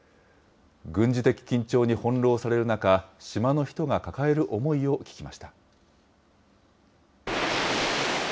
軍事的緊張にほんろうされる中、島の人が抱える思いを聞きました。